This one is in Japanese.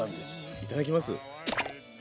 いただきます。